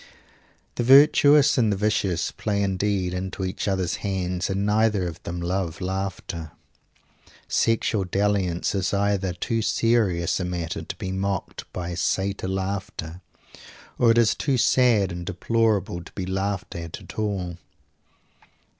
The virtuous and the vicious play indeed into each others hands; and neither of them love laughter. Sexual dalliance is either too serious a matter to be mocked by satyr laughter; or it is too sad and deplorable to be laughed at at all.